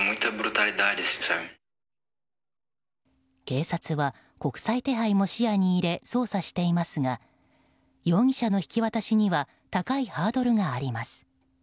警察は国際手配も視野に入れ捜査していますが容疑者の引き渡しには高いハードルがあります。